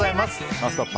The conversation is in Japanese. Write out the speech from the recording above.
「ノンストップ！」